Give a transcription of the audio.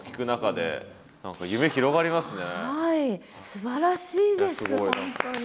すばらしいです本当に。